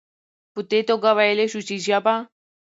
په دي توګه ويلايي شو چې ژبه